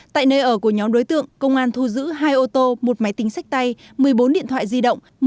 tại nơi ở của nhóm đối tượng công an thu giữ hai ô tô một máy tính sách tay một mươi bốn điện thoại di động